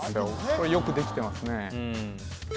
これよくできてますね